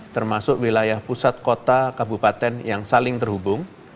termasuk wilayah pusat kota kabupaten yang saling terhubung